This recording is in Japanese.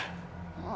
ああ。